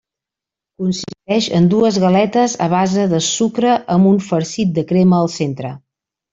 Consisteix en dues galetes a base de sucre amb un farcit de crema al centre.